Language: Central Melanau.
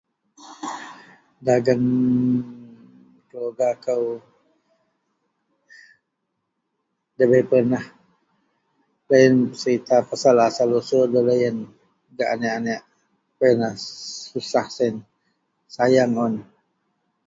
dagen keluarga kou debei pernah loyien perserita pasal asal usul deloyien gak aneak-aneak, wak ienlah susah sien sayang un